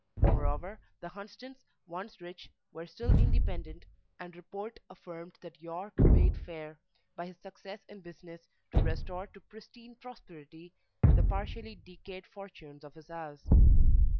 Moreover the Hunsdens, once rich, were still independent; and report affirmed that Yorke bade fair, by his success in business, to restore to pristine prosperity the partially decayed fortunes of his house.